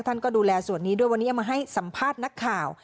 ท่านก็ดูแลส่วนนี้ด้วยวันนี้เอามาให้สัมภาษณ์นักข่าว